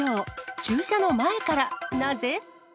注射の前からなぜ？